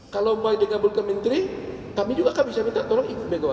kalau mau dikabul ke menteri kami juga kan bisa minta tolong ikut megawati